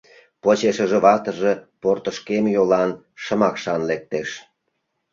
Почешыже ватыже портышкем йолан, шымакшан лектеш.